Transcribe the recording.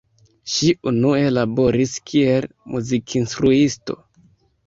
Ŝi unue laboris kiel muzikinstruisto.